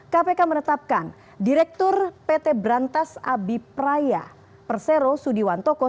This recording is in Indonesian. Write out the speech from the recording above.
kpk menetapkan direktur pt berantas abipraya persero sudiwantoko